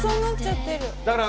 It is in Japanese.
だから。